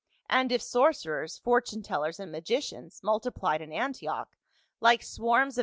And if sorcerers, fortune tellers and magicians multiplied in Antioch like swarms of 236 PAUL.